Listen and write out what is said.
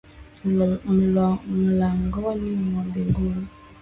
Mlangoni mwa mbinguni.